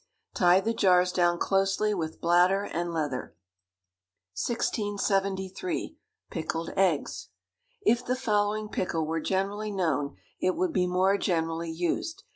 Tie the jars down closely with bladder and leather. 1673. Pickled Eggs. If the following pickle were generally known, it would be more generally used.